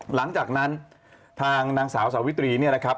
หลังจากนั้นทางนางสาวสาวิตรีเนี่ยนะครับ